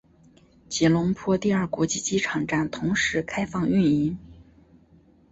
吉隆坡第二国际机场站同时开放运营。